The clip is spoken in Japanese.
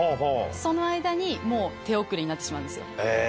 その間にもう手遅れになってしまうんですよ。